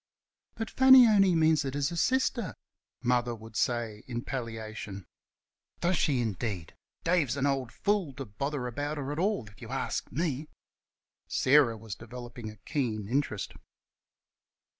"But Fanny only means it as a sister," Mother would answer in palliation. "Does she indeed! ... Dave's an old fool to bother about her at all, if y' arsk me!" Sarah was developing a keen interest.